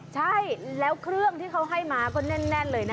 ใช่แล้วเครื่องที่เขาให้มาก็แน่นเลยนะ